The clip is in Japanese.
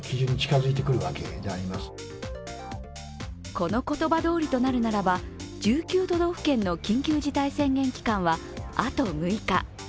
この言葉どおりとなるならば１９都道府県の緊急事態宣言期間はあと６日。